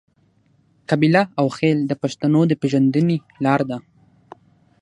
قبیله او خیل د پښتنو د پیژندنې لار ده.